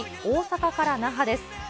大阪から那覇です。